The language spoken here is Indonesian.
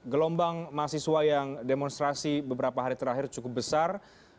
gelombang mahasiswa yang demonstrasi beberapa hari terakhir cukup besar